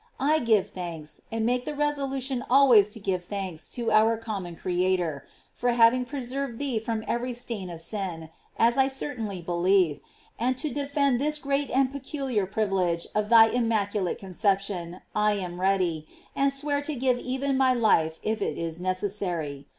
I give thanks, and make the resolution always to give thanks to our common Creator, for having preserved thee from every stain of sin, as I cer tainly believe; and to defend this great and pe culiar privilege of thy immaculate conception I am ready, and swear to give even my life if it is necessary.